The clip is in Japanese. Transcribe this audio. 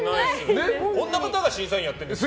こんな方が審査員をやってるんですよ？